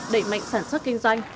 đẩy mạnh sản xuất kinh doanh